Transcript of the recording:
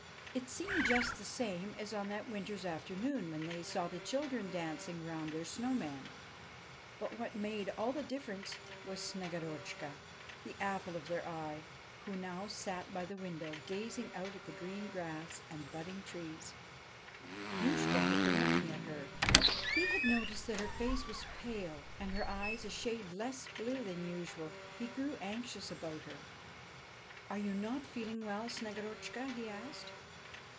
It seemed just the same as on that winter's afternoon when they saw the children dancing round their snow man ; but what made all the difference was Snegorotchka, the apple of their eye, who now sat by the window, gazing out at the green grass and the budding trees. Youshko had been looking at her ; he had noticed that her face was pale and her eyes a shade less blue than usual. He grew anxious about her. 'Are you not feeling well, Snegorotchka?' he asked.